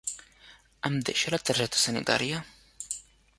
Em deixa la targeta sanitària?